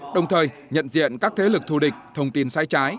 đồng thời nhận diện các thế lực thù địch thông tin sai trái